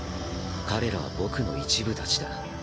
彼らは僕の一部たちだ。